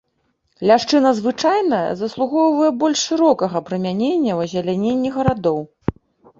Ляшчына звычайная заслугоўвае больш шырокага прымянення ў азеляненні гарадоў.